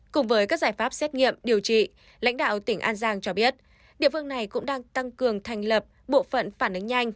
cùng với các giải pháp xét nghiệm điều trị lãnh đạo tỉnh an giang cho biết địa phương này cũng đang tăng cường thành lập bộ phận phản ứng nhanh